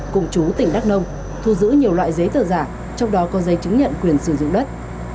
cùng chú tỉnh đắk nông thu giữ nhiều loại giấy tờ giả trong đó có giấy chứng nhận quyền sử dụng đất